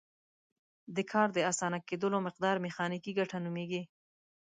د کار د اسانه کیدلو مقدار میخانیکي ګټه نومیږي.